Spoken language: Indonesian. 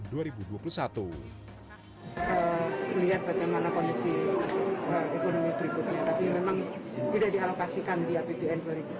lihat bagaimana kondisi ekonomi berikutnya tapi memang tidak dialokasikan di apbn dua ribu dua puluh